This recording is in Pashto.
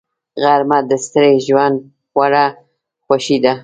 غرمه د ستړي ژوند وړه خوښي ده